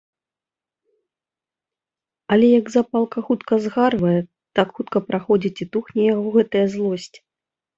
Але як запалка хутка згарвае, так хутка праходзіць і тухне яго гэтая злосць.